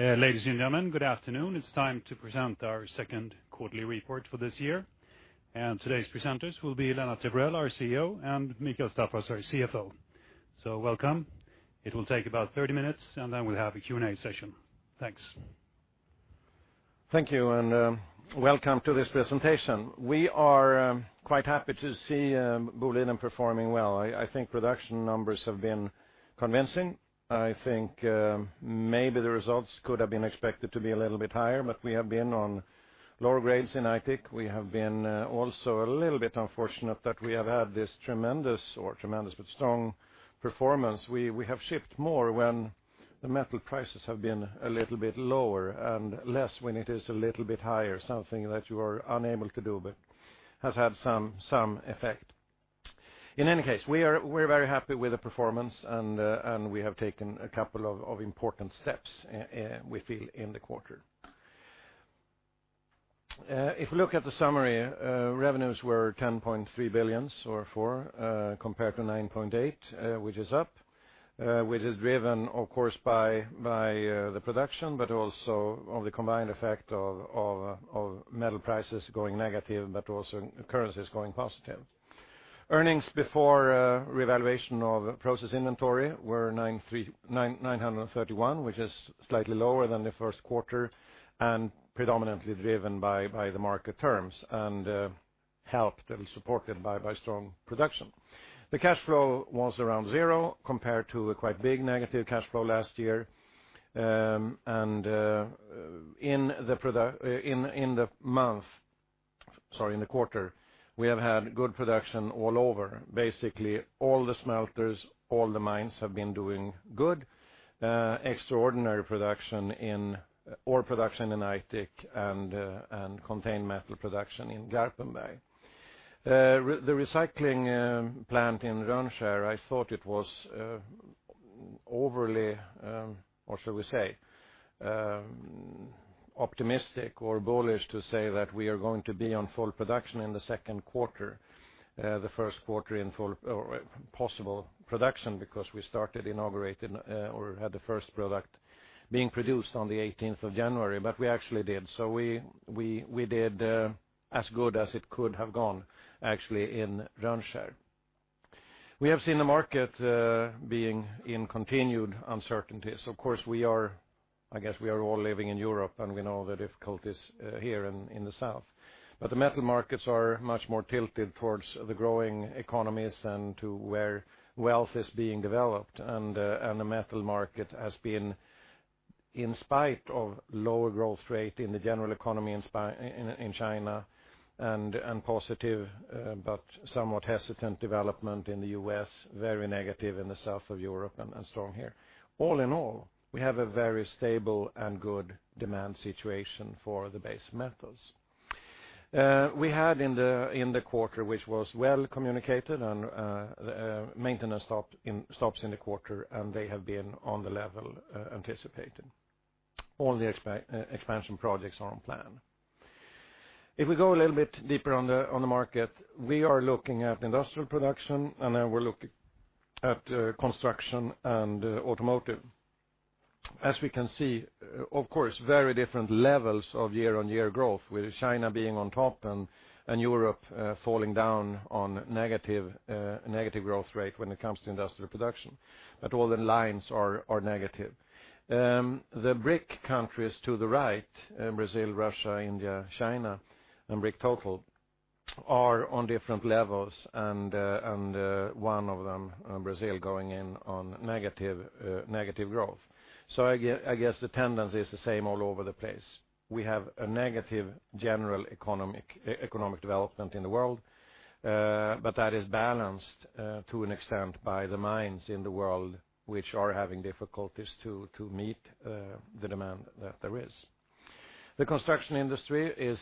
Ladies and gentlemen, good afternoon. It is time to present our second quarterly report for this year. Today's presenters will be Lennart Evrell, our CEO, and Mikael Staffas, our CFO. Welcome. It will take about 30 minutes, then we will have a Q&A session. Thanks. Thank you, welcome to this presentation. We are quite happy to see Boliden performing well. I think production numbers have been convincing. I think maybe the results could have been expected to be a little bit higher, but we have been on lower grades in Aitik. We have been also a little bit unfortunate that we have had this strong performance. We have shipped more when the metal prices have been a little bit lower and less when it is a little bit higher, something that you are unable to do, but has had some effect. In any case, we are very happy with the performance and we have taken a couple of important steps, we feel, in the quarter. If you look at the summary, revenues were 10.3 billion or 4, compared to 9.8, which is up, which is driven, of course, by the production, also of the combined effect of metal prices going negative, also currencies going positive. Earnings before revaluation of process inventory were 931, which is slightly lower than the first quarter, predominantly driven by the market terms, helped and supported by strong production. The cash flow was around zero compared to a quite big negative cash flow last year. In the quarter, we have had good production all over. Basically, all the smelters, all the mines have been doing good. Extraordinary ore production in Aitik and contained metal production in Garpenberg. The recycling plant in Rönnskär, I thought it was overly, or should we say, optimistic or bullish to say that we are going to be on full production in the second quarter, the first quarter in possible production, because we started inaugurating or had the first product being produced on the 18th of January, we actually did. We did as good as it could have gone, actually, in Rönnskär. We have seen the market being in continued uncertainty. Of course, I guess we are all living in Europe and we know the difficulties here in the south, but the metal markets are much more tilted towards the growing economies and to where wealth is being developed. The metal market has been, in spite of lower growth rate in the general economy in China and positive but somewhat hesitant development in the U.S., very negative in the south of Europe and strong here. All in all, we have a very stable and good demand situation for the base metals. We had in the quarter, which was well communicated, maintenance stops in the quarter. They have been on the level anticipated. All the expansion projects are on plan. If we go a little bit deeper on the market, we are looking at industrial production. Then we're looking at construction and automotive. As we can see, of course, very different levels of year-on-year growth, with China being on top and Europe falling down on negative growth rate when it comes to industrial production. All the lines are negative. The BRIC countries to the right, Brazil, Russia, India, China, BRIC total, are on different levels. One of them, Brazil, going in on negative growth. I guess the tendency is the same all over the place. We have a negative general economic development in the world, but that is balanced to an extent by the mines in the world, which are having difficulties to meet the demand that there is. The construction industry is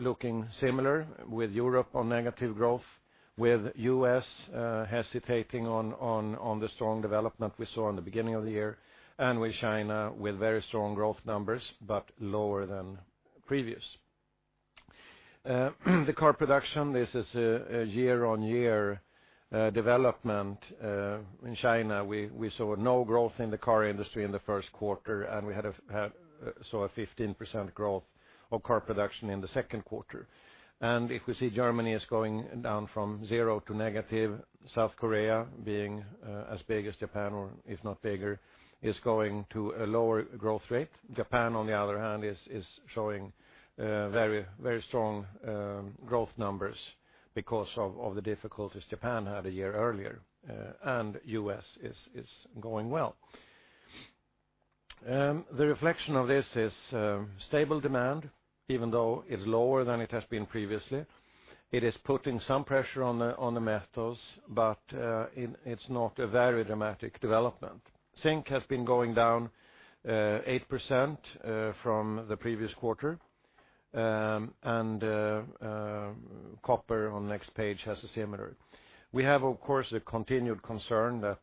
looking similar, with Europe on negative growth, with U.S. hesitating on the strong development we saw in the beginning of the year, with China with very strong growth numbers, but lower than previous. The car production, this is a year-on-year development. In China, we saw no growth in the car industry in the first quarter. We saw a 15% growth of car production in the second quarter. If we see Germany is going down from zero to negative, South Korea being as big as Japan, if not bigger, is going to a lower growth rate. Japan, on the other hand, is showing very strong growth numbers because of the difficulties Japan had a year earlier. U.S. is going well. The reflection of this is stable demand, even though it's lower than it has been previously. It is putting some pressure on the metals, but it's not a very dramatic development. Zinc has been going down 8% from the previous quarter. Copper on the next page has a similar. We have, of course, a continued concern that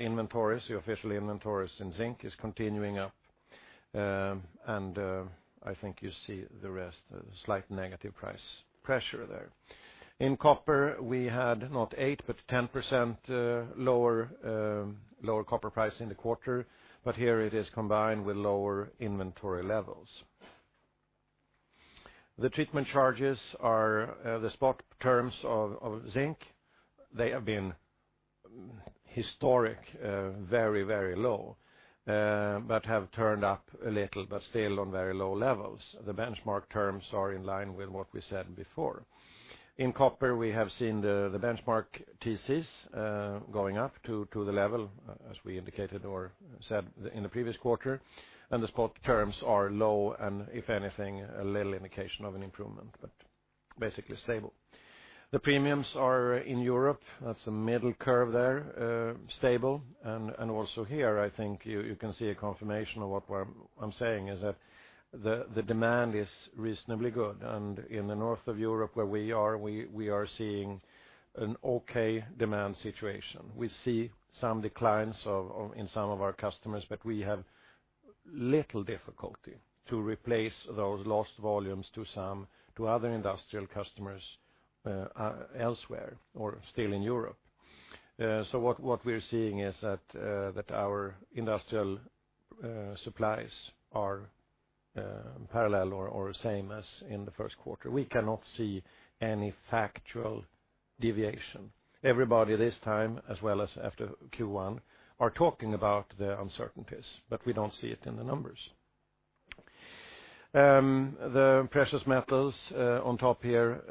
inventories, the official inventories in zinc is continuing up. I think you see the rest, slight negative price pressure there. In copper, we had not 8%, but 10% lower copper price in the quarter. Here it is combined with lower inventory levels. The treatment charges are the spot terms of zinc. They have been historic, very low, but have turned up a little, still on very low levels. The benchmark terms are in line with what we said before. In copper, we have seen the benchmark TCs going up to the level as we indicated or said in the previous quarter. The spot terms are low, if anything, a little indication of an improvement, basically stable. The premiums are in Europe. That's the middle curve there, stable. Also here, I think you can see a confirmation of what I'm saying is that the demand is reasonably good. In the north of Europe, where we are, we are seeing an okay demand situation. We see some declines in some of our customers, we have little difficulty to replace those lost volumes to other industrial customers elsewhere or still in Europe. What we're seeing is that our industrial supplies are parallel or the same as in the first quarter. We cannot see any factual deviation. Everybody this time, as well as after Q1, are talking about the uncertainties, we don't see it in the numbers. The precious metals on top here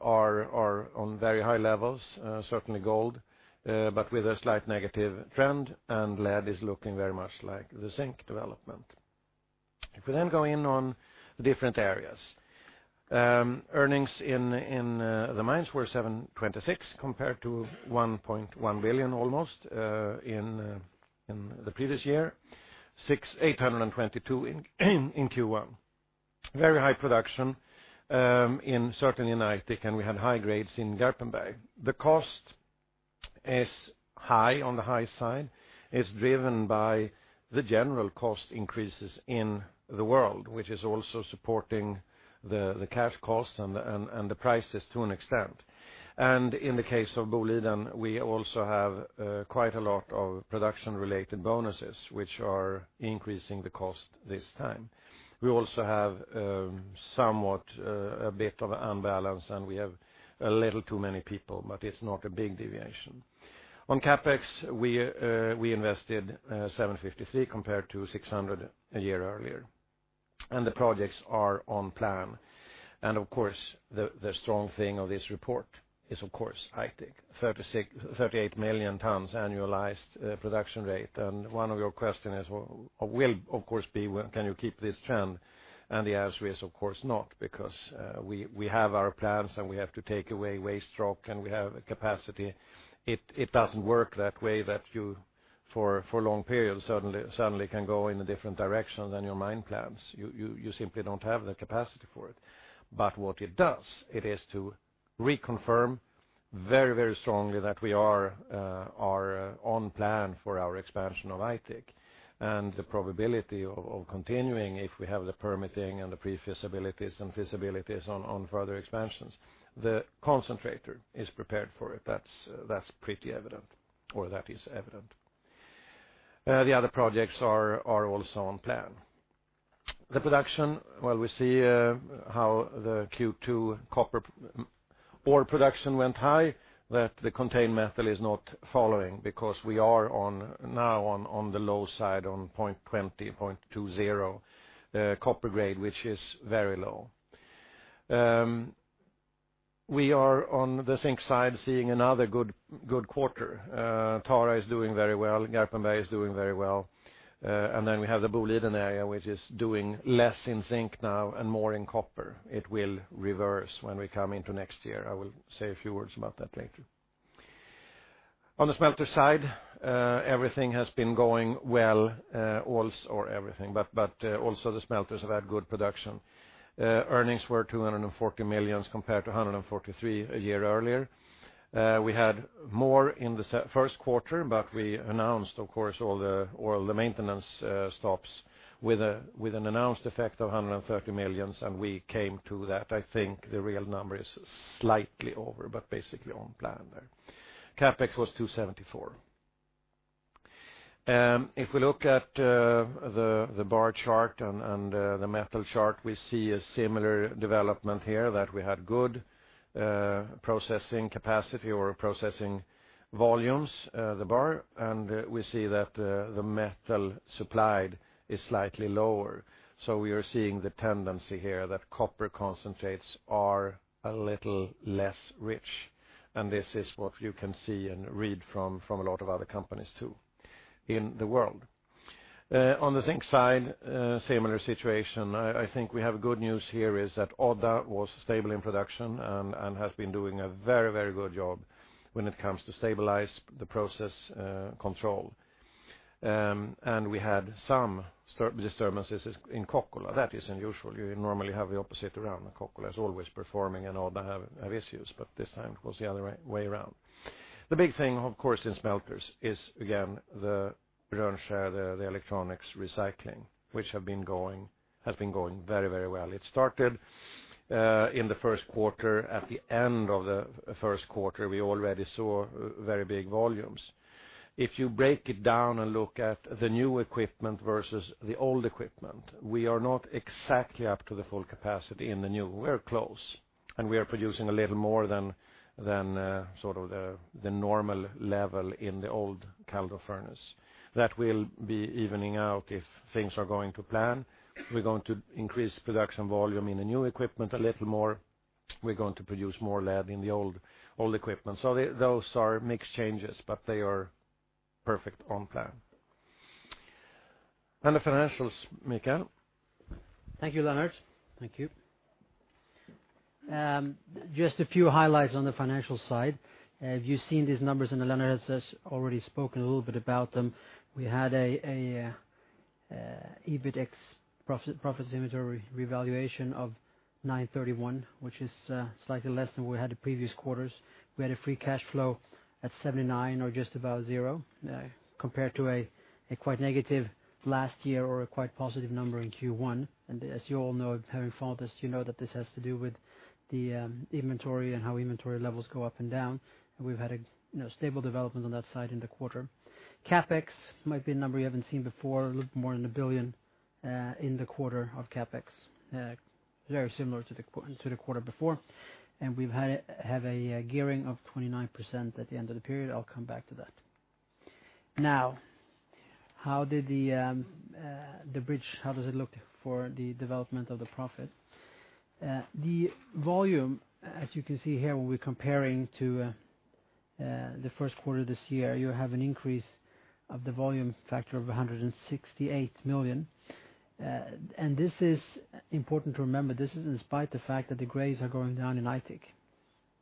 are on very high levels, certainly gold, with a slight negative trend, lead is looking very much like the zinc development. We then go in on different areas. Earnings in the mines were 726 million compared to 1.1 billion almost in the previous year, 822 million in Q1. Very high production certainly in Aitik, we had high grades in Garpenberg. The cost is on the high side. It's driven by the general cost increases in the world, which is also supporting the cash costs and the prices to an extent. In the case of Boliden, we also have quite a lot of production-related bonuses, which are increasing the cost this time. We also have somewhat a bit of an unbalance, we have a little too many people, it's not a big deviation. On CapEx, we invested 753 million compared to 600 million a year earlier, the projects are on plan. Of course, the strong thing of this report is, of course, Aitik, 38 million tons annualized production rate. One of your question will, of course, be can you keep this trend? The answer is, of course, not because we have our plans, we have to take away waste rock, we have capacity. It doesn't work that way that you, for long periods, suddenly can go in a different direction than your mine plans. You simply don't have the capacity for it. What it does, it is to reconfirm very strongly that we are on plan for our expansion of Aitik. The probability of continuing if we have the permitting and the pre-feasibilities and feasibilities on further expansions. The concentrator is prepared for it. That's pretty evident, or that is evident. The other projects are also on plan. The production, well, we see how the Q2 copper ore production went high, that the contained metal is not following because we are now on the low side on 0.20 copper grade, which is very low. We are on the zinc side seeing another good quarter. Tara is doing very well. Garpenberg is doing very well. We then have the Boliden area, which is doing less in zinc now and more in copper. It will reverse when we come into next year. I will say a few words about that later. On the smelter side, everything has been going well. Also the smelters have had good production. Earnings were 240 million compared to 143 million a year earlier. We had more in the first quarter, we announced, of course, all the maintenance stops with an announced effect of 130 million, we came to that. I think the real number is slightly over, basically on plan there. CapEx was 274 million. We look at the bar chart and the metal chart, we see a similar development here that we had good processing capacity or processing volumes, the bar, we see that the metal supplied is slightly lower. We are seeing the tendency here that copper concentrates are a little less rich, and this is what you can see and read from a lot of other companies too in the world. On the zinc side, similar situation. I think we have good news here is that Odda was stable in production and has been doing a very good job when it comes to stabilize the process control. We had some disturbances in Kokkola. That is unusual. You normally have the opposite around, that Kokkola is always performing and Odda have issues, but this time it was the other way around. The big thing, of course, in smelters is, again, the Rönnskär, the electronics recycling, which has been going very well. It started in the first quarter. At the end of the first quarter, we already saw very big volumes. If you break it down and look at the new equipment versus the old equipment, we are not exactly up to the full capacity in the new. We are close, and we are producing a little more than the normal level in the old Kaldo furnace. That will be evening out if things are going to plan. We are going to increase production volume in the new equipment a little more. We are going to produce more lead in the old equipment. Those are mixed changes, but they are perfect on plan. The financials, Mikael. Thank you, Lennart. Thank you. Just a few highlights on the financial side. You have seen these numbers, and Lennart has already spoken a little bit about them. We had an EBIT ex profit inventory revaluation of 931, which is slightly less than we had the previous quarters. We had a free cash flow at 79, or just about zero, compared to a quite negative last year or a quite positive number in Q1. As you all know, having followed this, you know that this has to do with the inventory and how inventory levels go up and down, and we have had a stable development on that side in the quarter. CapEx might be a number you haven't seen before, a little more than 1 billion in the quarter of CapEx. Very similar to the quarter before. We have a gearing of 29% at the end of the period. I will come back to that. Now, how did the bridge look for the development of the profit? The volume, as you can see here, when we are comparing to the first quarter of this year, you have an increase of the volume factor of 168 million. This is important to remember, this is in spite the fact that the grades are going down in Aitik,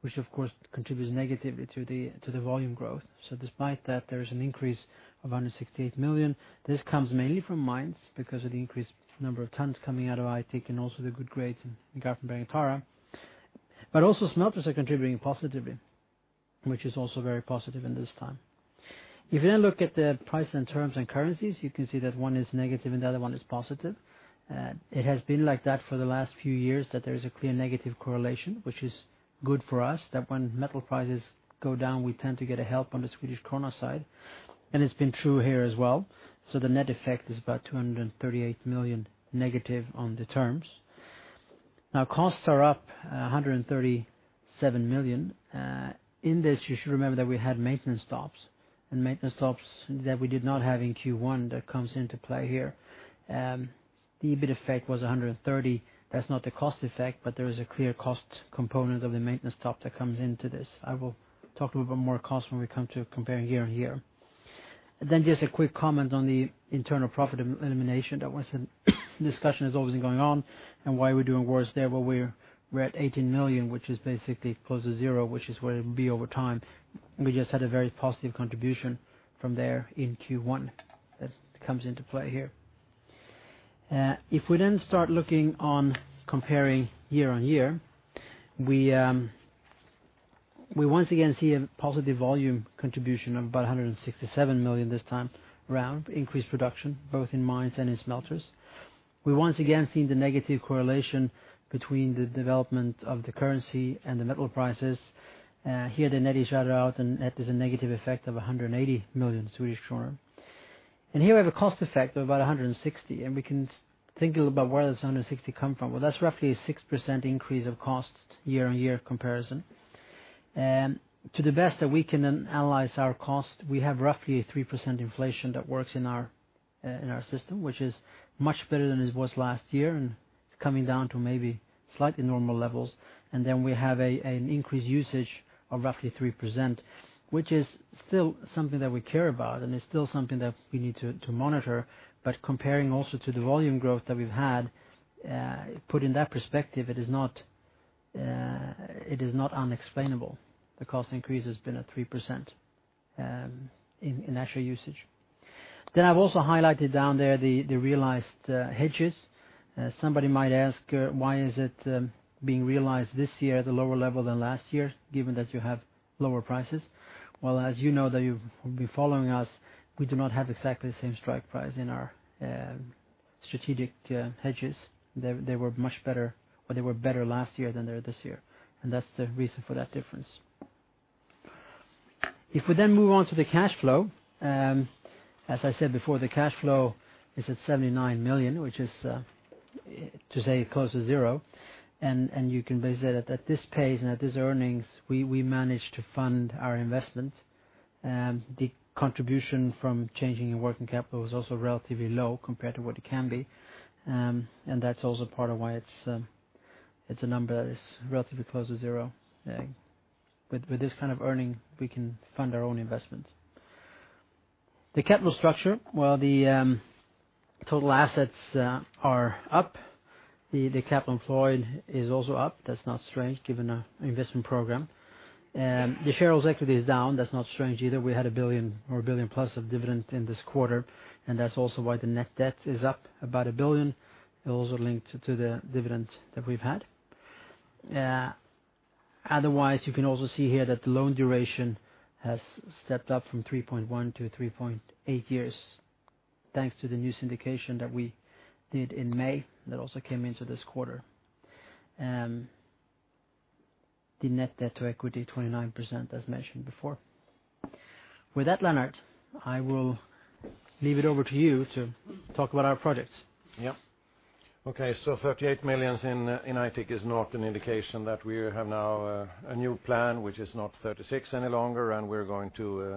which, of course, contributes negatively to the volume growth. Despite that, there is an increase of 168 million. This comes mainly from mines because of the increased number of tons coming out of Aitik and also the good grades in Garpenberg and Tara. Also smelters are contributing positively, which is also very positive in this time. You look at the price and terms and currencies, you can see that one is negative and the other one is positive. It has been like that for the last few years that there is a clear negative correlation, which is good for us, that when metal prices go down, we tend to get a help on the Swedish krona side. It's been true here as well. The net effect is about 238 million negative on the terms. Costs are up 137 million. In this, you should remember that we had maintenance stops, and maintenance stops that we did not have in Q1 that comes into play here. The EBIT effect was 130 million. That's not a cost effect, but there is a clear cost component of the maintenance stop that comes into this. I will talk a little bit more cost when we come to comparing year-over-year. Just a quick comment on the internal profit elimination. That was a discussion that's always been going on and why we're doing worse there, but we're at 18 million, which is basically close to zero, which is where it'll be over time. We just had a very positive contribution from there in Q1 that comes into play here. If we start looking on comparing year-over-year, we once again see a positive volume contribution of about 167 million this time around, increased production both in mines and in smelters. We once again see the negative correlation between the development of the currency and the metal prices. Here, they net each other out, and that is a negative effect of 180 million Swedish kronor. Here we have a cost effect of about 160 million, and we can think a little about where that 160 million come from. That's roughly a 6% increase of cost year-over-year comparison. To the best that we can analyze our cost, we have roughly a 3% inflation that works in our system, which is much better than it was last year, and it's coming down to maybe slightly normal levels. Then we have an increased usage of roughly 3%, which is still something that we care about, and it's still something that we need to monitor. Comparing also to the volume growth that we've had, put in that perspective, it is not unexplainable. The cost increase has been at 3% in actual usage. I've also highlighted down there the realized hedges. Somebody might ask, why is it being realized this year at a lower level than last year, given that you have lower prices? As you know that you've been following us, we do not have exactly the same strike price in our strategic hedges. They were much better, or they were better last year than they are this year, and that's the reason for that difference. If we move on to the cash flow, as I said before, the cash flow is at 79 million, which is close to zero, and you can visit it at this pace and at these earnings, we managed to fund our investment. The contribution from changing in working capital was also relatively low compared to what it can be, and that's also part of why it's a number that is relatively close to zero. With this kind of earning, we can fund our own investment. The capital structure, the Total assets are up. The capital employed is also up. That's not strange given our investment program. The shareholders' equity is down. That's not strange either. We had 1 billion or 1 billion plus of dividend in this quarter. That's also why the net debt is up about 1 billion, also linked to the dividend that we've had. You can also see here that the loan duration has stepped up from 3.1 to 3.8 years, thanks to the new syndication that we did in May that also came into this quarter. The net debt to equity 29%, as mentioned before. With that, Lennart, I will leave it over to you to talk about our projects. 38 millions in Aitik is not an indication that we have now a new plan, which is not 36 any longer, and we're going to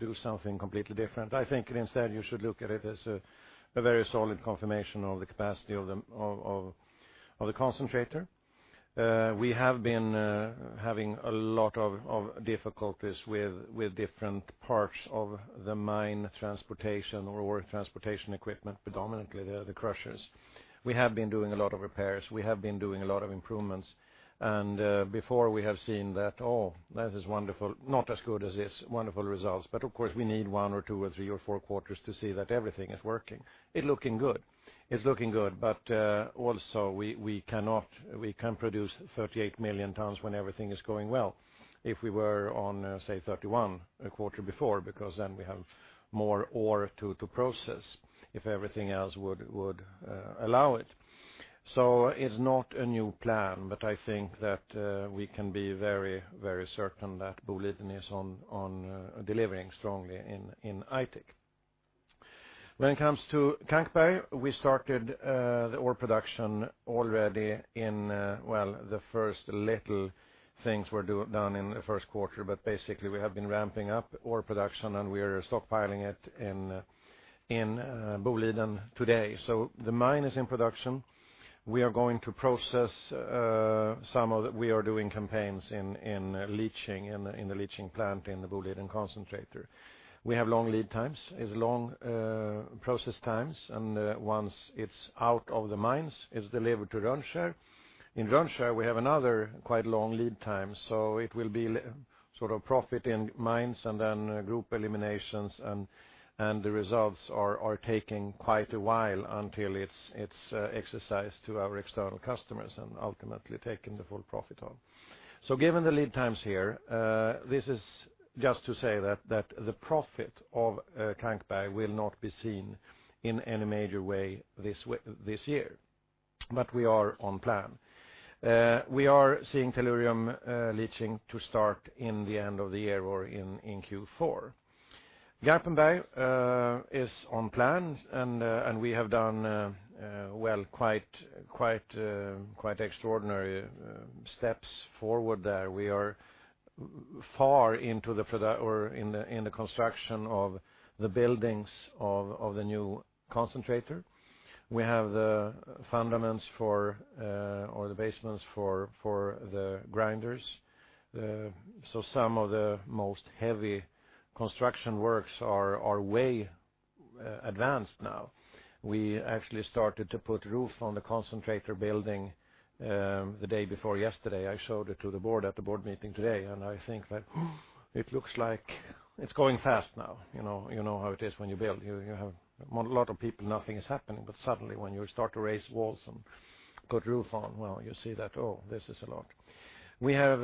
do something completely different. I think instead you should look at it as a very solid confirmation of the capacity of the concentrator. We have been having a lot of difficulties with different parts of the mine transportation or transportation equipment, predominantly the crushers. We have been doing a lot of repairs. We have been doing a lot of improvements. Before we have seen that is wonderful. Not as good as these wonderful results, but of course we need one or two or three or four quarters to see that everything is working. It's looking good. It's looking good, but also we can produce 38 million tons when everything is going well. If we were on, say, 31 a quarter before, because then we have more ore to process, if everything else would allow it. It's not a new plan, but I think that we can be very certain that Boliden is on delivering strongly in Aitik. When it comes to Kankberg, we started the ore production already in, well, the first little things were done in the first quarter, but basically we have been ramping up ore production, and we are stockpiling it in Boliden today. The mine is in production. We are going to process. We are doing campaigns in the leaching plant in the Boliden concentrator. We have long lead times. It's long process times, once it's out of the mines, it's delivered to Rönnskär. In Rönnskär, we have another quite long lead time. It will be sort of profit in mines. Then group eliminations, and the results are taking quite a while until it's exercised to our external customers and ultimately taking the full profit on. Given the lead times here, this is just to say that the profit of Kankberg will not be seen in any major way this year, but we are on plan. We are seeing tellurium leaching to start in the end of the year or in Q4. Garpenberg is on plan, we have done quite extraordinary steps forward there. We are far in the construction of the buildings of the new concentrator. We have the basements for the grinders. Some of the most heavy construction works are way advanced now. We actually started to put roof on the concentrator building the day before yesterday. I showed it to the board at the board meeting today, I think that it looks like it's going fast now. You know how it is when you build. You have a lot of people, nothing is happening, but suddenly when you start to raise walls and put roof on, well, you see that, oh, this is a lot. We have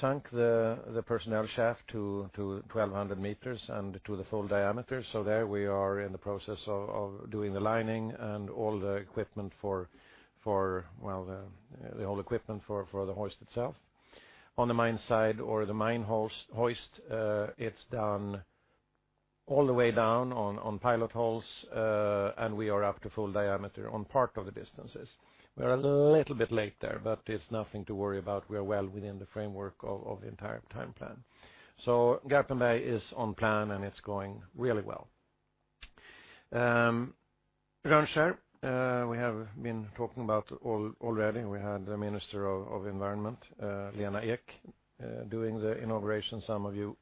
sunk the personnel shaft to 1,200 meters and to the full diameter. There we are in the process of doing the lining and all the equipment for the hoist itself. On the mine side or the mine hoist, it's done all the way down on pilot holes, and we are up to full diameter on part of the distances. We're a little bit late there, it's nothing to worry about. We are well within the framework of the entire time plan. Garpenberg is on plan, and it's going really well. Rönnskär we have been talking about already. We had the Minister of Environment, Lena Ek, doing the inauguration. Some of you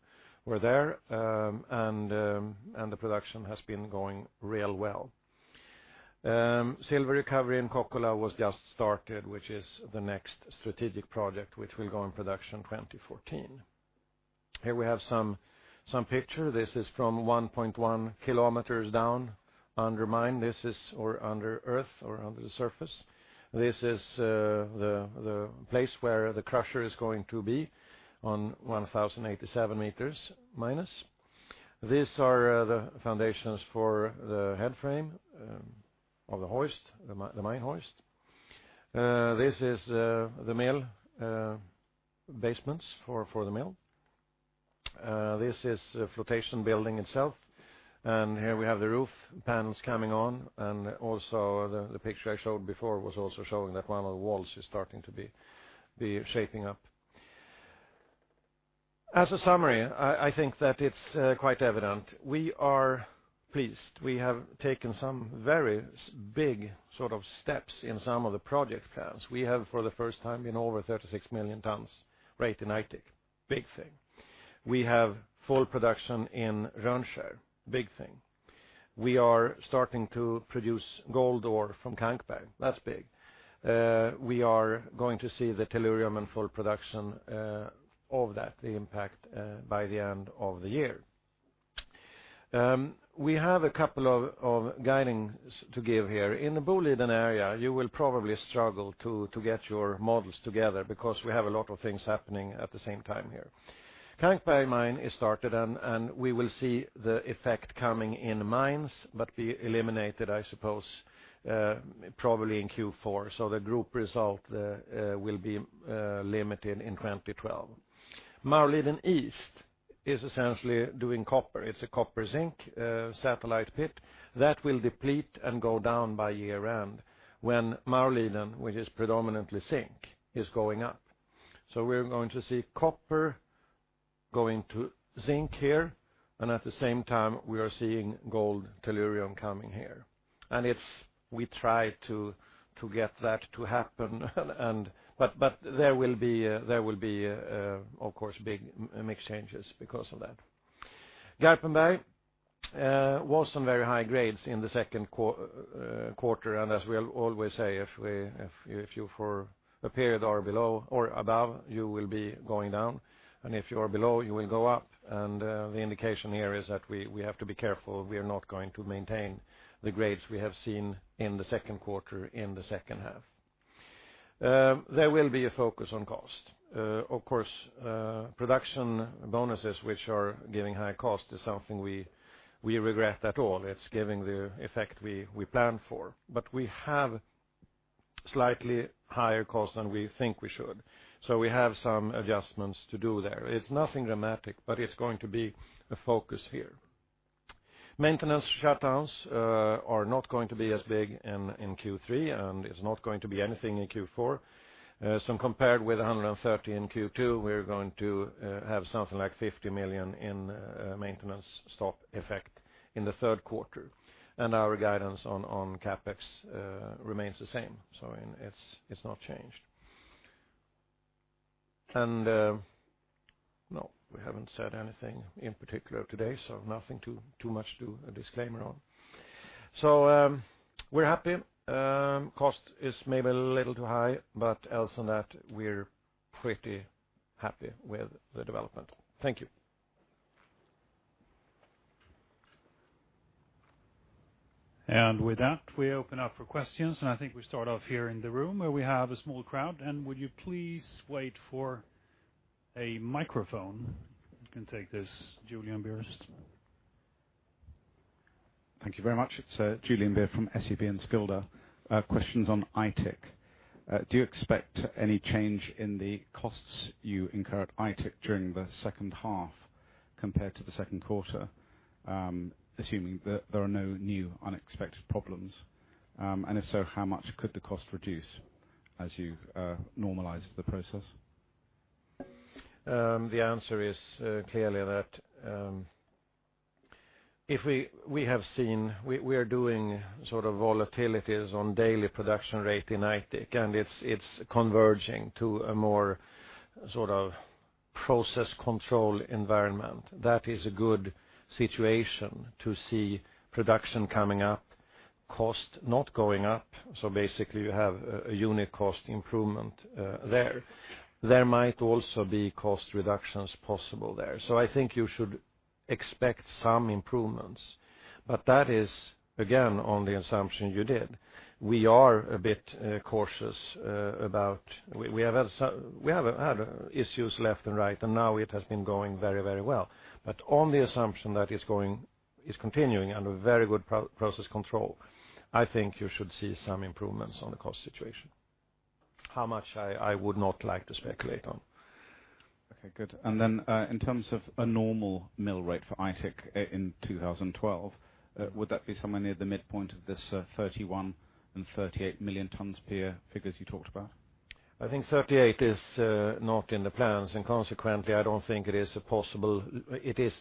were there. The production has been going real well. Silver recovery in Kokkola was just started, which is the next strategic project which will go in production 2014. Here we have some picture. This is from 1.1 kilometers down under mine. This is, or under earth or under the surface. This is the place where the crusher is going to be on 1,087 meters minus. These are the foundations for the head frame of the hoist, the mine hoist. This is the mill basements for the mill. This is the flotation building itself, and here we have the roof panels coming on, also the picture I showed before was also showing that one of the walls is starting to be shaping up. As a summary, I think that it's quite evident. We are pleased. We have taken some very big sort of steps in some of the project plans. We have, for the first time in over 36 million tons, rate in Aitik. Big thing. We have full production in Rönnskär. Big thing. We are starting to produce gold ore from Kankberg. That's big. We are going to see the tellurium in full production of that, the impact by the end of the year. We have a couple of guidings to give here. In the Boliden area, you will probably struggle to get your models together because we have a lot of things happening at the same time here. Kankberg mine is started and we will see the effect coming in mines, but be eliminated, I suppose, probably in Q4. The group result will be limited in 2012. Marliden East is essentially doing copper. It's a copper zinc satellite pit that will deplete and go down by year-end, when Marliden, which is predominantly zinc, is going up. We're going to see copper going to zinc here, and at the same time we are seeing gold tellurium coming here. We try to get that to happen but there will be, of course, big mix changes because of that. Garpenberg was on very high grades in the second quarter, as we always say, if you for a period are below or above, you will be going down, if you are below, you will go up. The indication here is that we have to be careful. We are not going to maintain the grades we have seen in the second quarter, in the second half. There will be a focus on cost. Of course, production bonuses, which are giving high cost, is something we regret at all. It's giving the effect we plan for. We have slightly higher costs than we think we should. We have some adjustments to do there. It's nothing dramatic, but it's going to be a focus here. Maintenance shutdowns are not going to be as big in Q3, it's not going to be anything in Q4. Compared with 130 in Q2, we're going to have something like 50 million in maintenance stock effect in the third quarter. Our guidance on CapEx remains the same. It's not changed. No, we haven't said anything in particular today, nothing too much to a disclaimer on. We're happy. Cost is maybe a little too high, but else than that, we're pretty happy with the development. Thank you. With that, we open up for questions. I think we start off here in the room where we have a small crowd, would you please wait for a microphone? You can take this, Julian Beer. Thank you very much. It's Julian Beer from SEB and Enskilda. Questions on Aitik. Do you expect any change in the costs you incur at Aitik during the second half compared to the second quarter, assuming that there are no new unexpected problems? If so, how much could the cost reduce as you normalize the process? The answer is clearly that we are doing sort of volatilities on daily production rate in Aitik, it's converging to a more process control environment. That is a good situation to see production coming up, cost not going up. Basically you have a unit cost improvement there. There might also be cost reductions possible there. I think you should expect some improvements. That is, again, on the assumption you did. We are a bit cautious about. We have had issues left and right, and now it has been going very well. On the assumption that it's continuing under very good process control, I think you should see some improvements on the cost situation. How much, I would not like to speculate on. Okay, good. Then, in terms of a normal mill rate for Aitik in 2012, would that be somewhere near the midpoint of this 31 and 38 million tons per year figures you talked about? I think 38 is not in the plans, consequently, I don't think it is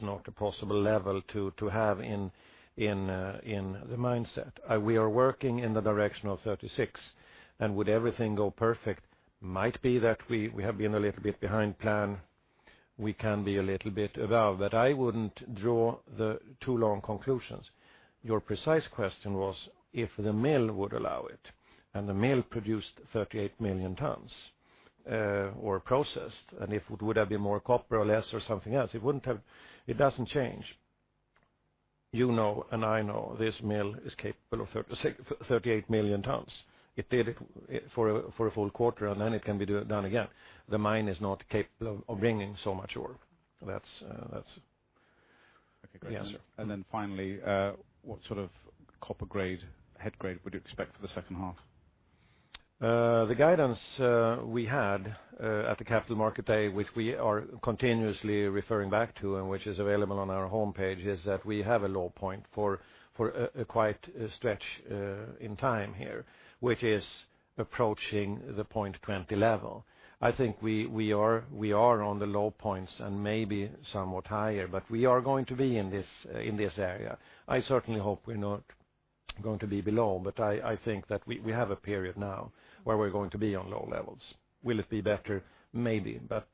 not a possible level to have in the mindset. We are working in the direction of 36, would everything go perfect, might be that we have been a little bit behind plan. We can be a little bit above, I wouldn't draw two long conclusions. Your precise question was if the mill would allow it, the mill produced 38 million tons or processed, if would there be more copper or less or something else? It doesn't change. You know, I know this mill is capable of 38 million tons. It did it for a full quarter, then it can be done again. The mine is not capable of bringing so much ore. That's the answer. Okay, great. Then finally, what sort of copper grade, head grade would you expect for the second half? The guidance we had at the Capital Markets Day, which we are continuously referring back to and which is available on our homepage, is that we have a low point for a quite stretch in time here, which is approaching the point 20 level. I think we are on the low points and maybe somewhat higher, but we are going to be in this area. I certainly hope we're not going to be below. I think that we have a period now where we're going to be on low levels. Will it be better? Maybe, but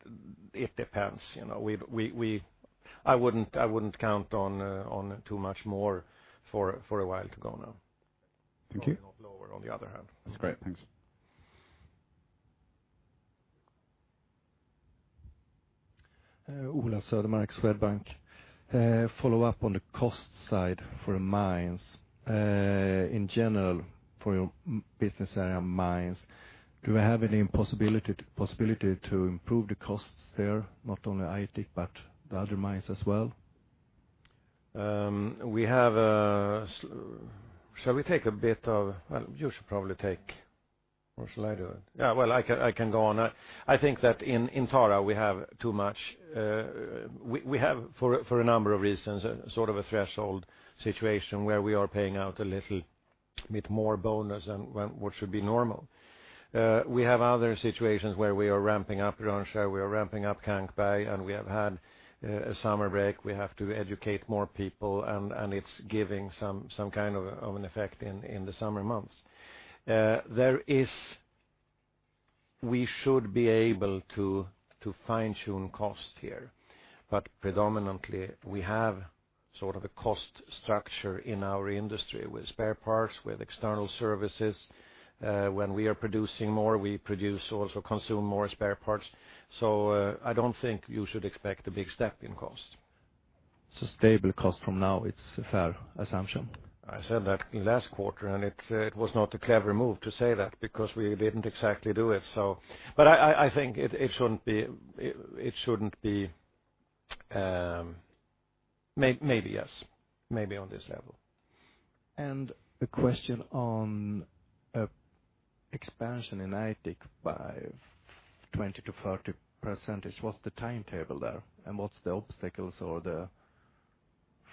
it depends. I wouldn't count on too much more for a while to go now. Thank you. Lower on the other hand. That's great. Thanks. Ola Södermark, Swedbank. Follow up on the cost side for mines. In general, for your business area mines, do we have any possibility to improve the costs there? Not only Aitik, but the other mines as well. Shall we take a bit of You should probably take, or shall I do it? Yeah, well, I can go on. I think that in Tara, we have too much. We have, for a number of reasons, sort of a threshold situation where we are paying out a little bit more bonus than what should be normal. We have other situations where we are ramping up Rönnskär, we are ramping up Kankberg. We have had a summer break. It's giving some kind of an effect in the summer months. We have to educate more people. We should be able to fine-tune cost here, predominantly we have sort of a cost structure in our industry with spare parts, with external services. When we are producing more, we produce, also consume more spare parts. I don't think you should expect a big step in cost. Sustainable cost from now it's a fair assumption. I said that last quarter, it was not a clever move to say that because we didn't exactly do it. I think it shouldn't be Maybe, yes, maybe on this level. A question on expansion in Aitik by 20% to 30%. What's the timetable there? What's the obstacles or the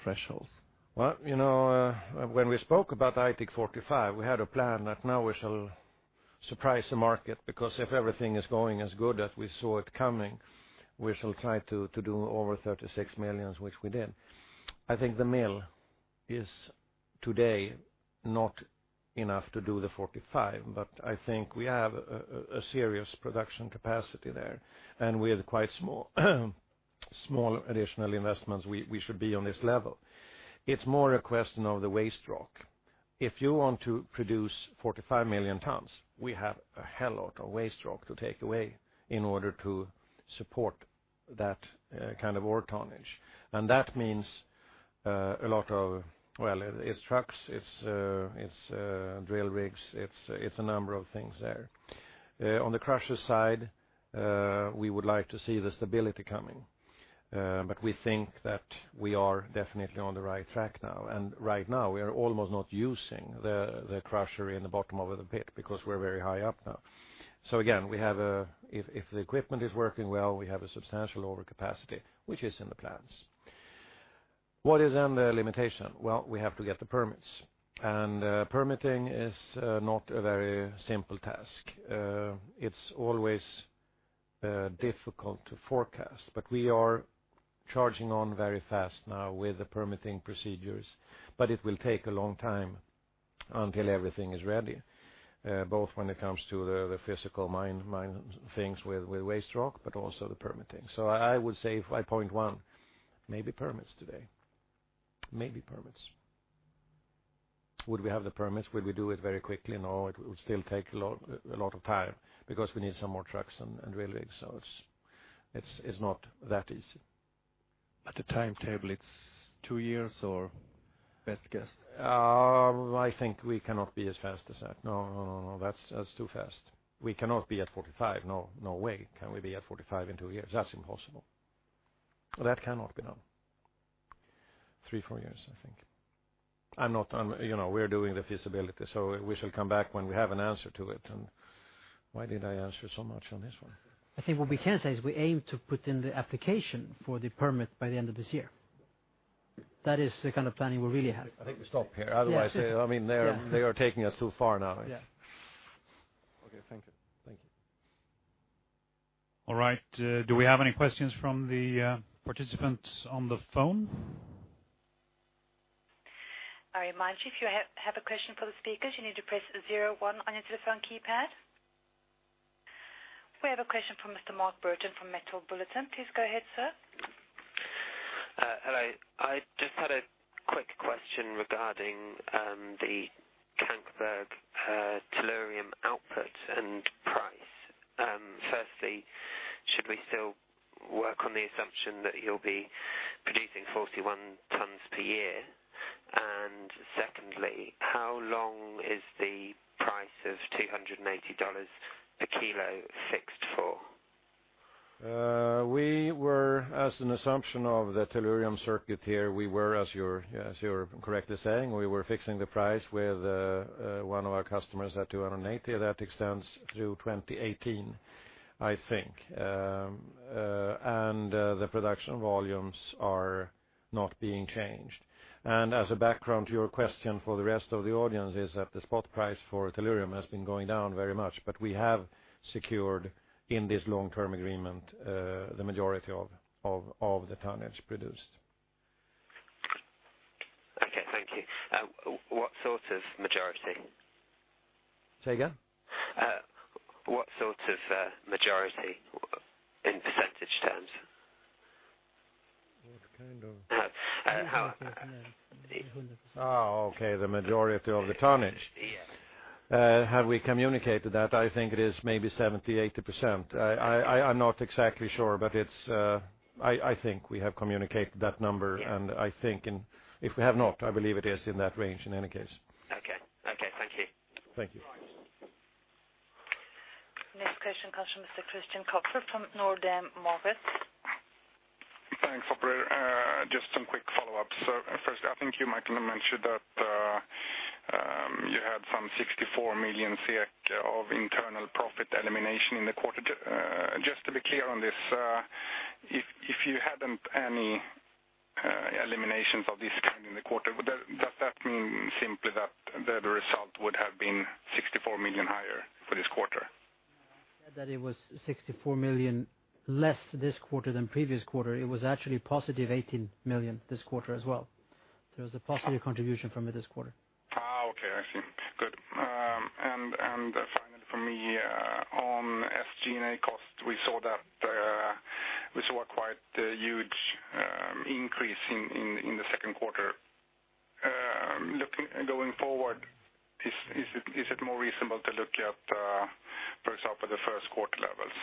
thresholds? Well, when we spoke about Aitik 45, we had a plan that now we shall surprise the market because if everything is going as good as we saw it coming, we shall try to do over 36 millions, which we did. I think the mill is today not enough to do the 45, but I think we have a serious production capacity there and with quite small additional investments, we should be on this level. It's more a question of the waste rock. If you want to produce 45 million tons, we have a hell lot of waste rock to take away in order to support that kind of ore tonnage. That means a lot of, well, it's trucks, it's drill rigs, it's a number of things there. On the crusher side, we would like to see the stability coming. We think that we are definitely on the right track now. Right now we are almost not using the crusher in the bottom of the pit because we're very high up now. Again, if the equipment is working well, we have a substantial overcapacity, which is in the plans. What is then the limitation? Well, we have to get the permits. Permitting is not a very simple task. It's always difficult to forecast, but we are charging on very fast now with the permitting procedures, but it will take a long time until everything is ready, both when it comes to the physical mine things with waste rock, but also the permitting. I would say my point one, maybe permits today. Maybe permits. Would we have the permits? Would we do it very quickly? No, it would still take a lot of time because we need some more trucks and drill rigs, it's not that easy. The timetable, it's two years or best guess? I think we cannot be as fast as that. No, that's too fast. We cannot be at 45. No way can we be at 45 in two years. That's impossible. That cannot be done. Three, four years, I think. We're doing the feasibility, so we shall come back when we have an answer to it. Why did I answer so much on this one? I think what we can say is we aim to put in the application for the permit by the end of this year. That is the kind of planning we really have. I think we stop here. Otherwise, they are taking us too far now. Yeah. Okay, thank you. All right. Do we have any questions from the participants on the phone? I remind you, if you have a question for the speakers, you need to press 01 on your telephone keypad. We have a question from Mr. Mark Burton from Metal Bulletin. Please go ahead, sir. Hello. I just had a quick question regarding the Kankberg tellurium output and price. Firstly, should we still work on the assumption that you'll be producing 41 tons per year? Secondly, how long is the price of SEK 280 per kilo fixed for? As an assumption of the tellurium circuit here, as you're correctly saying, we were fixing the price with one of our customers at 280. That extends through 2018, I think. The production volumes are not being changed. As a background to your question for the rest of the audience is that the spot price for tellurium has been going down very much, but we have secured in this long-term agreement, the majority of the tonnage produced. What sort of majority? Say again. What sort of majority in percentage terms? What kind of? How- Oh, okay. The majority of the tonnage. Yes. Have we communicated that? I think it is maybe 70%-80%. I am not exactly sure, but I think we have communicated that number. Yes. I think if we have not, I believe it is in that range in any case. Okay. Thank you. Thank you. Next question comes from Mr. Christian Kopfer from Nordea Markets. Thanks, operator. Just some quick follow-ups. First, I think you, Mikael, mentioned that you had some 64 million SEK of internal profit elimination in the quarter. Just to be clear on this, if you hadn't any eliminations of this kind in the quarter, does that mean simply that the result would have been 64 million higher for this quarter? It was 64 million less this quarter than previous quarter. It was actually positive 18 million this quarter as well. It was a positive contribution from it this quarter. Okay. I see. Good. Finally from me, on SG&A costs, we saw a quite huge increase in the second quarter. Going forward, is it more reasonable to look at, for example, the first quarter levels,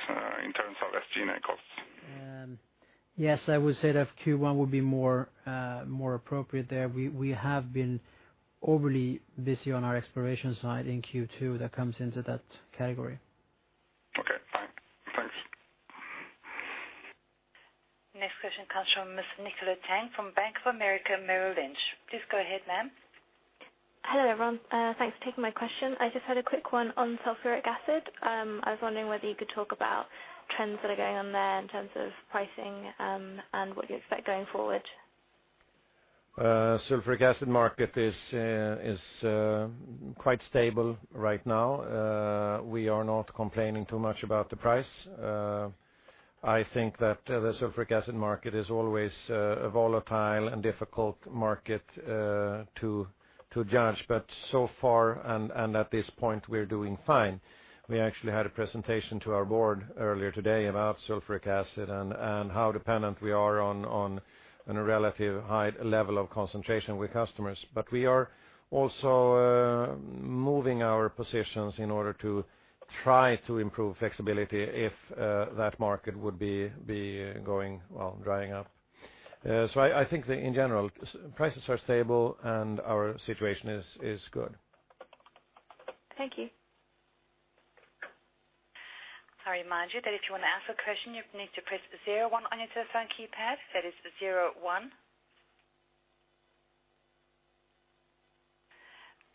in terms of SG&A costs? Yes, I would say that Q1 will be more appropriate there. We have been overly busy on our exploration side in Q2 that comes into that category. Okay. Fine. Thanks. Next question comes from Ms. Nicola Tang from Bank of America Merrill Lynch. Please go ahead, ma'am. Hello, everyone. Thanks for taking my question. I just had a quick one on sulfuric acid. I was wondering whether you could talk about trends that are going on there in terms of pricing, and what you expect going forward. Sulfuric acid market is quite stable right now. We are not complaining too much about the price. I think that the sulfuric acid market is always a volatile and difficult market to judge. So far, and at this point, we're doing fine. We actually had a presentation to our board earlier today about sulfuric acid and how dependent we are on a relative high level of concentration with customers. We are also moving our positions in order to try to improve flexibility if that market would be going, well, drying up. I think that in general, prices are stable and our situation is good. Thank you. I remind you that if you want to ask a question, you need to press zero one on your telephone keypad. That is zero one.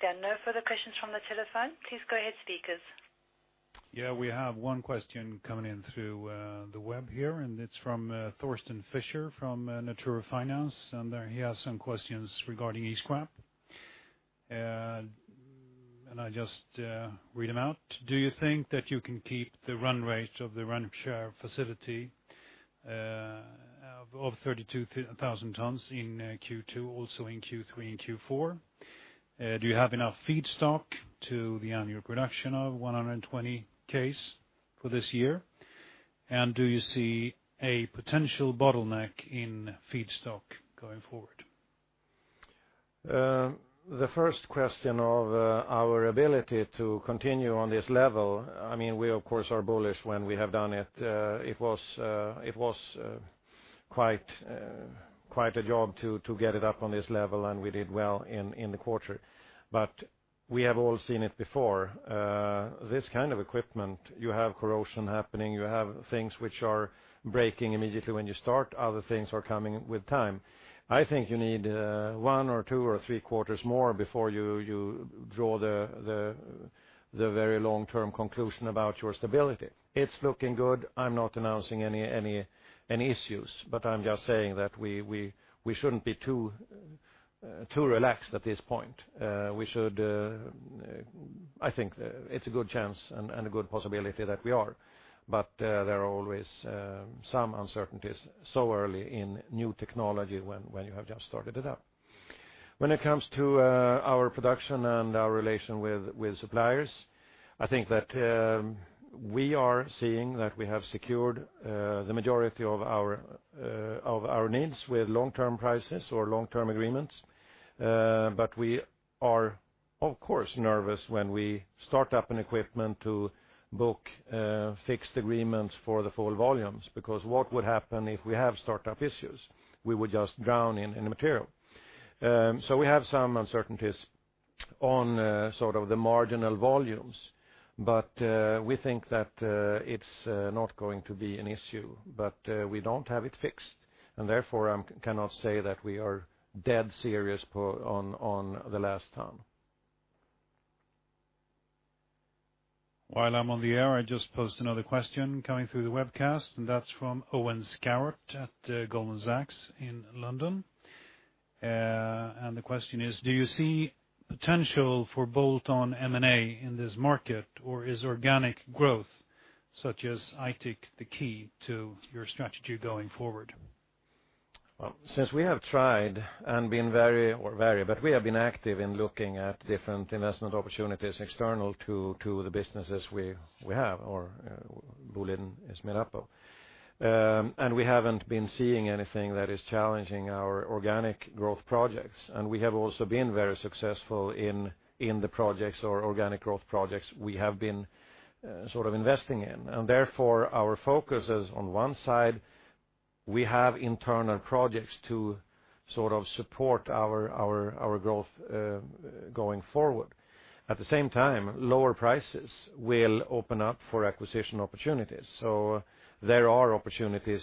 There are no further questions from the telephone. Please go ahead, speakers. Yeah, we have one question coming in through the web here. It's from Thorsten Fischer from Natureo Finance, and he has some questions regarding e-scrap. I just read them out. Do you think that you can keep the run rate of the Rönnskär facility of 32,000 tons in Q2, also in Q3 and Q4? Do you have enough feedstock to the annual production of 120Ks for this year? Do you see a potential bottleneck in feedstock going forward? The first question of our ability to continue on this level, we of course, are bullish when we have done it. It was quite a job to get it up on this level, and we did well in the quarter. We have all seen it before. This kind of equipment, you have corrosion happening, you have things which are breaking immediately when you start, other things are coming with time. I think you need one or two or three quarters more before you draw the very long-term conclusion about your stability. It's looking good. I'm not announcing any issues, but I'm just saying that we shouldn't be too relaxed at this point. I think it's a good chance and a good possibility that we are, but there are always some uncertainties so early in new technology when you have just started it up. When it comes to our production and our relation with suppliers, I think that we are seeing that we have secured the majority of our needs with long-term prices or long-term agreements. We are of course nervous when we start up an equipment to book fixed agreements for the full volumes, because what would happen if we have startup issues? We would just drown in material. We have some uncertainties on sort of the marginal volumes, but we think that it's not going to be an issue. We don't have it fixed, and therefore, I cannot say that we are dead serious on the last ton. While I'm on the air, I just posed another question coming through the webcast. That's from Owen West at Goldman Sachs in London. The question is, do you see potential for bolt-on M&A in this market, or is organic growth such as Aitik the key to your strategy going forward? Since we have tried and been very active in looking at different investment opportunities external to the businesses we have, or Boliden is made up of. We haven't been seeing anything that is challenging our organic growth projects. We have also been very successful in the projects or organic growth projects we have been investing in. Therefore, our focus is on one side, we have internal projects to support our growth going forward. At the same time, lower prices will open up for acquisition opportunities. There are opportunities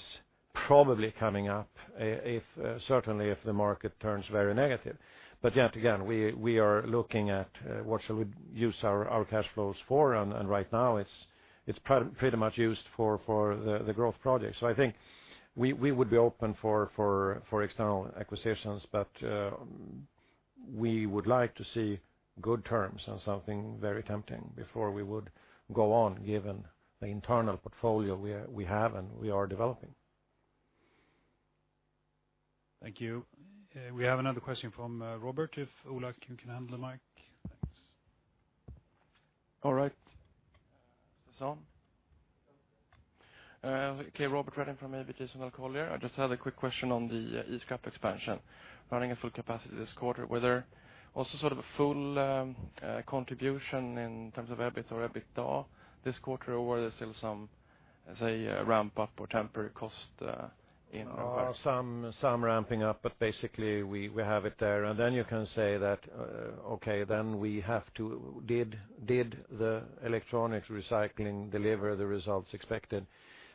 probably coming up, certainly if the market turns very negative. Yet again, we are looking at what shall we use our cash flows for, and right now it's pretty much used for the growth projects. I think we would be open for external acquisitions. We would like to see good terms and something very tempting before we would go on given the internal portfolio we have and we are developing. Thank you. We have another question from Robert. If, Olof, you can handle the mic? Thanks. All right. This on. Okay, Robert Redin from ABG Sundal Collier. I just had a quick question on the e-scrap expansion. Running at full capacity this quarter, were there also sort of a full contribution in terms of EBIT or EBITDA this quarter, or were there still some, say, ramp-up or temporary cost? Some ramping up, but basically we have it there. You can say that, okay, then did the electronics recycling deliver the results expected?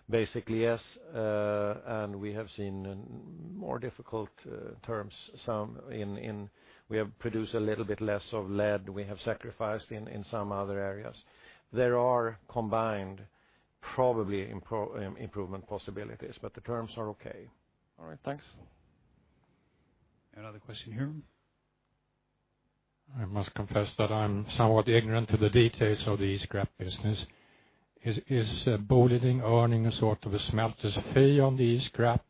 Basically, yes. We have seen more difficult terms. We have produced a little bit less of lead. We have sacrificed in some other areas. There are combined probably improvement possibilities, but the terms are okay. All right. Thanks. Another question here. I must confess that I'm somewhat ignorant to the details of the e-scrap business. Is Boliden earning a sort of a smelter fee on the e-scrap,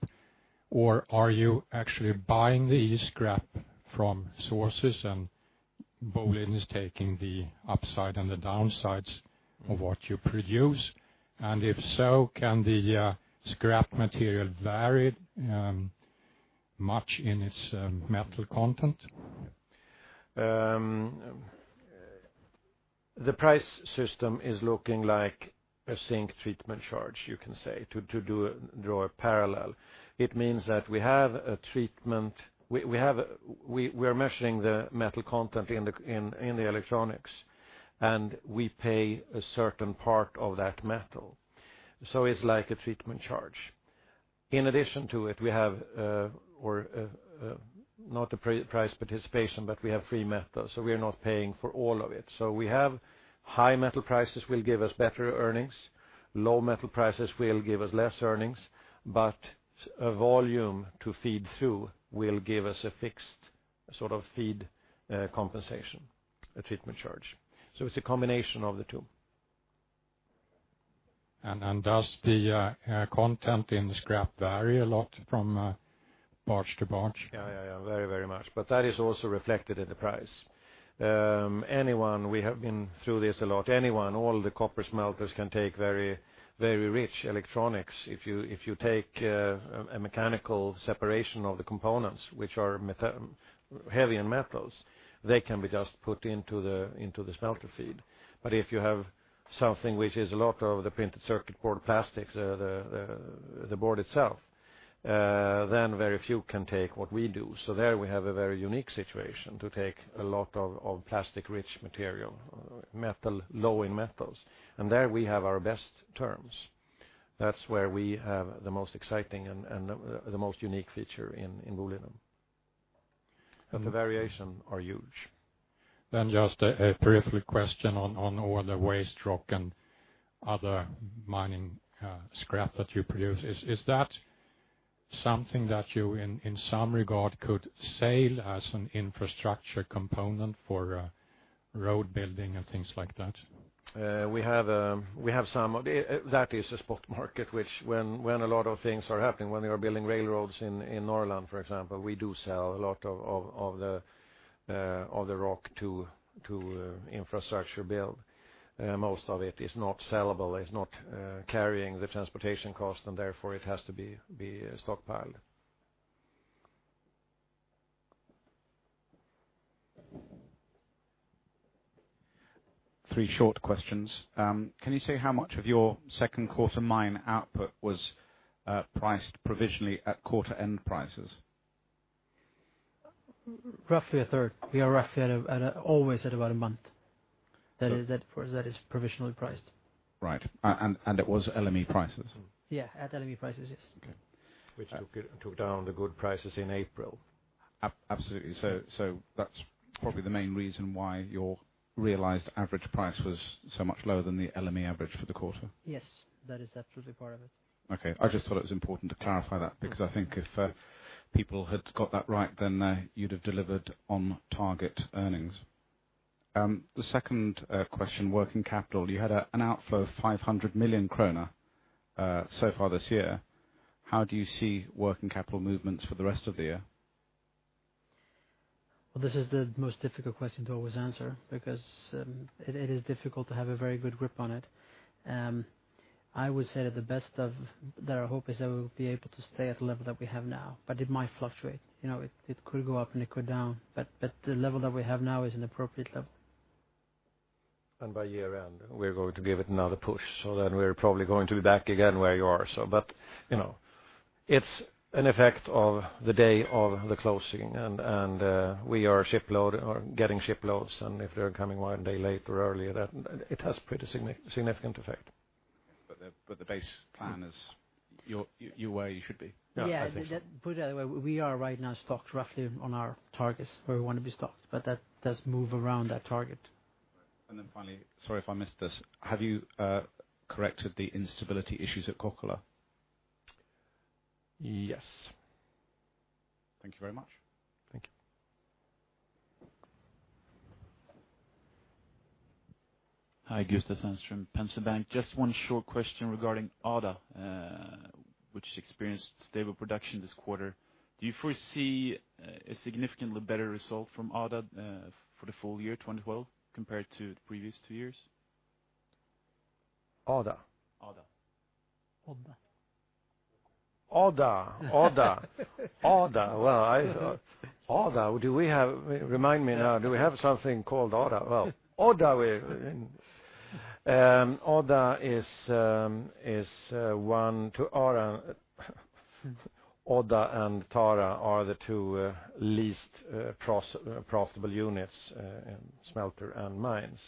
or are you actually buying the e-scrap from sources and Boliden is taking the upside and the downsides of what you produce? If so, can the scrap material vary much in its metal content? The price system is looking like a zinc treatment charge, you can say, to draw a parallel. It means that we are measuring the metal content in the electronics, and we pay a certain part of that metal. It's like a treatment charge. In addition to it, we have, not a price participation, but we have free metal. We are not paying for all of it. We have high metal prices will give us better earnings. Low metal prices will give us less earnings. Volume to feed through will give us a fixed sort of feed compensation, a treatment charge. It's a combination of the two. Does the content in the scrap vary a lot from batch to batch? Yeah. Very much. That is also reflected in the price. We have been through this a lot. Anyone, all the copper smelters can take very rich electronics. If you take a mechanical separation of the components, which are heavy in metals, they can be just put into the smelter feed. If you have something which is a lot of the printed circuit board plastics, the board itself then very few can take what we do. There we have a very unique situation to take a lot of plastic-rich material, low in metals. There we have our best terms. That's where we have the most exciting and the most unique feature in Boliden. The variation are huge. Just a peripheral question on all the waste rock and other mining scrap that you produce. Is that something that you, in some regard, could sell as an infrastructure component for road building and things like that? That is a spot market, which when a lot of things are happening, when they are building railroads in Norrland, for example, we do sell a lot of the rock to infrastructure build. Most of it is not sellable, it's not carrying the transportation cost, and therefore it has to be stockpiled. Three short questions. Can you say how much of your second quarter mine output was priced provisionally at quarter-end prices? Roughly a third. We are roughly at always at about a month. That is provisionally priced. Right. It was LME prices? Yeah, at LME prices, yes. Okay. Which took down the good prices in April. Absolutely. That's probably the main reason why your realized average price was so much lower than the LME average for the quarter? Yes. That is absolutely part of it. Okay. I just thought it was important to clarify that, because I think if people had got that right, then you'd have delivered on target earnings. The second question, working capital. You had an outflow of 500 million kronor so far this year. How do you see working capital movements for the rest of the year? Well, this is the most difficult question to always answer because it is difficult to have a very good grip on it. I would say that our hope is that we'll be able to stay at the level that we have now, but it might fluctuate. It could go up and it could down, but the level that we have now is an appropriate level. By year-end, we're going to give it another push so then we're probably going to be back again where you are. It's an effect of the day of the closing, and we are getting shiploads, and if they're coming one day late or earlier, it has pretty significant effect. The base plan is you where you should be? Yeah. Put it that way, we are right now stocked roughly on our targets where we want to be stocked, but that does move around that target. Finally, sorry if I missed this, have you corrected the instability issues at Kokkola? Yes. Thank you very much. Thank you. Hi, Gustav Sandström, Swedbank. Just one short question regarding Odda, which experienced stable production this quarter. Do you foresee a significantly better result from Odda for the full year 2012 compared to the previous two years? Odda? Odda. Odda. Odda. Well, Odda. Remind me now, do we have something called Odda? Well, Odda is one to Tara. Odda and Tara are the two least profitable units in smelter and mines.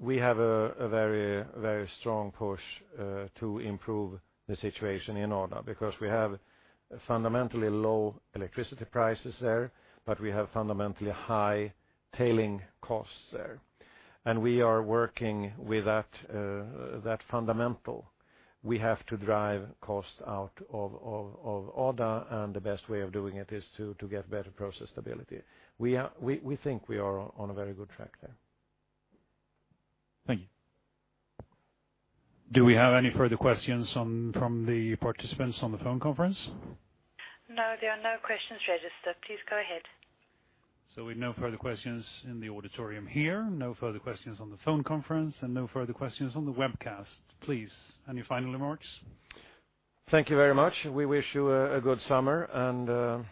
We have a very strong push to improve the situation in Odda because we have fundamentally low electricity prices there, but we have fundamentally high tailing costs there. We are working with that fundamental. We have to drive costs out of Odda, and the best way of doing it is to get better process stability. We think we are on a very good track there. Thank you. Do we have any further questions from the participants on the phone conference? No, there are no questions registered. Please go ahead. With no further questions in the auditorium here, no further questions on the phone conference, and no further questions on the webcast. Please, any final remarks? Thank you very much. We wish you a good summer.